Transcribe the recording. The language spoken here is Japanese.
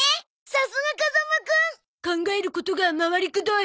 さすが風間くん！考えることが回りくどい。